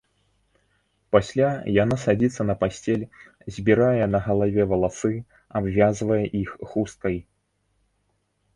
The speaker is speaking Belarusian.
Пасля яна садзіцца на пасцель, збірае на галаве валасы, абвязвае іх хусткай.